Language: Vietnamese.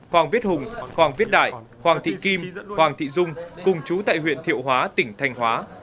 hoàng viết hùng hoàng viết đại hoàng thị kim hoàng thị dung cùng chú tại huyện thiệu hóa tỉnh thanh hóa